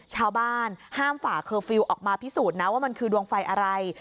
ห้ามฝ่าเคอร์ฟิลล์ออกมาพิสูจน์นะว่ามันคือดวงไฟอะไร